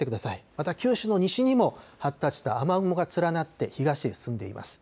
また九州の西にも発達した雨雲が連なって東へ進んでいます。